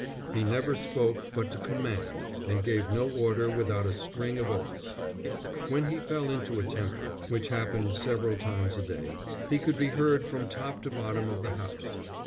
He never spoke but to command and gave no order without a string of oaths. When he fell into a temper, which happened several times a day, he could be heard from top to bottom of the house.